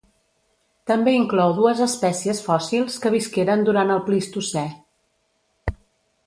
També inclou dues espècies fòssils que visqueren durant el Plistocè.